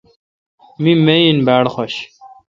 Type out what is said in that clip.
می ماین باڑ حوش